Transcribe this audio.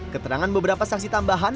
keterangan beberapa saksi tambahan